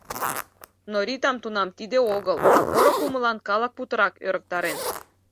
Но Ритам тунам тиде огыл, а поро кумылан калык путырак ӧрыктарен.